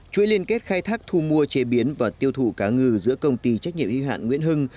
chuỗi liên kết khai thác thu mua chế biến và tiêu thụ cá ngừ giữa công ty trách nhiệm y hạn nguyễn hưng